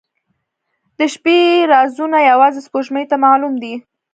• د شپې رازونه یوازې سپوږمۍ ته معلوم دي.